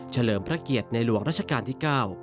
เลิมพระเกียรติในหลวงรัชกาลที่๙